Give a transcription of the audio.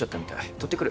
取ってくる。